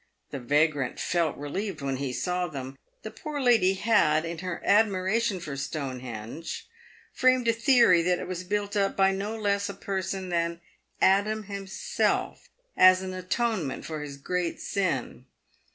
The vagrant felt relieved when he saw them. The poor lady had, in her admiration for Stonhenge, framed a theory that it was built up by no less a person than Adam himself as an atonement for his great sin.